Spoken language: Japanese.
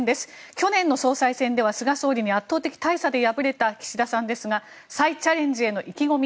去年の総裁選では菅総理に圧倒的大差で敗れた菅さんですが再チャレンジへの意気込み